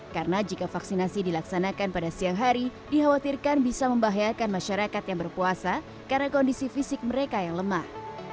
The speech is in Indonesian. karena jika vaksinasi dilaksanakan pada siang hari dikhawatirkan bisa membahayakan masyarakat yang berpuasa karena kondisi fisik mereka yang lemah